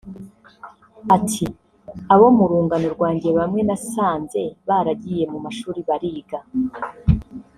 Ati “Abo mu rungano rwanjye bamwe nasanze baragiye mu mashuri bariga